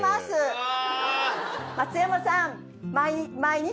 うわ。